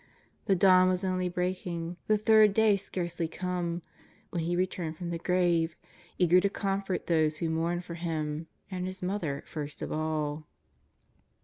The dawn was only breaking, the third day scarcely come, when He returned from the grave, eager to comfort those who mourned for Him, and His Mother first of all.